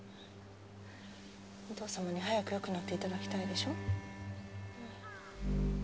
お父様に早くよくなっていただきたいでしょ？